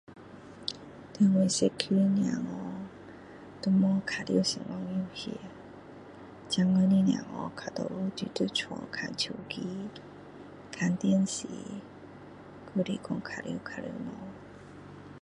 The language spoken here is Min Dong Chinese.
在我社区小孩都没玩什么游戏现今的小孩大多数都在家玩电脑看电视还是说玩玩具